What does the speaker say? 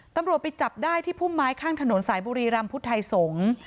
ตำรวจไปจับได้ที่พุ่มไม้ข้างถนนสายบุรีรำพุทธไทยสงศ์